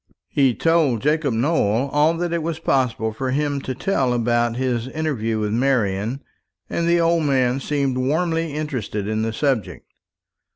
He told Jacob Nowell all that it was possible for him to tell about his interview with Marian; and the old man seemed warmly interested in the subject.